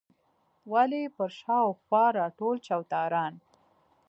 ولې پر شا او خوا راټول چوتاران.